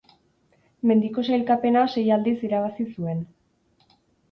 Mendiko sailkapena sei aldiz irabazi zuen.